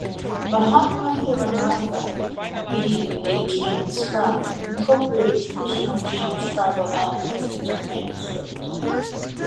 Mahatma Hirananda being a Jain scribe, incorporated traditional Jain scribal elements into the manuscript.